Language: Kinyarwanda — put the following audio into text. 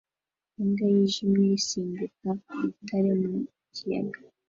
Imbwa yijimye isimbuka ku rutare mu kiyaga